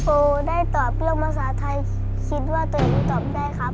โอได้ตอบเรื่องภาษาไทยคิดว่าตัวเองตอบได้ครับ